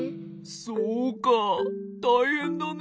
そうかたいへんだね。